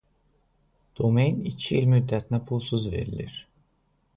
Domen iki il müddətinə pulsuz verilir.